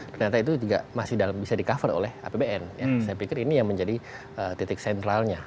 ternyata itu juga masih bisa di cover oleh apbn saya pikir ini yang menjadi titik sentralnya